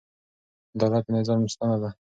عدالت د نظام ستنه ده.